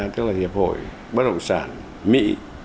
tức là hiệp hội bất động sản mỹ